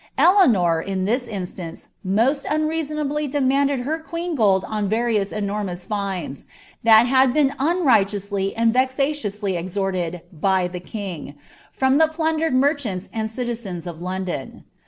Eleanor, in this inslance, most unreasonably demanded her queen gold on various enor liODs fines, that had been unrighteously and vexatiously extorted by the ^ing, from the plundered merchants and citizens of London.